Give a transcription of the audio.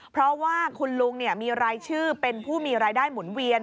เพราะว่าคุณลุงมีรายชื่อเป็นผู้มีรายได้หมุนเวียน